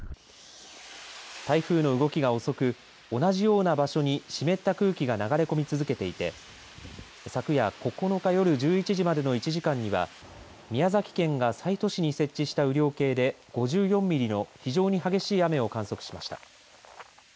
台風の動きが遅く同じような場所に湿った空気が流れ込み続けていて昨夜９日夜１１時までの１時間には宮崎県が西都市に設置した雨量計で５４ミリの非常に激しい雨を観測しました。